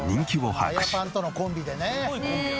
アヤパンとのコンビでね。